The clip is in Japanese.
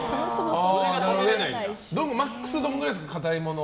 マックスどれくらいですか硬いもの。